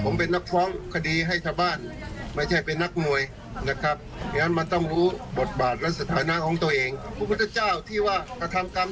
แน่นอนที่ตำรวจในฐานะเป็นผู้บังคับใช้กฎหมาย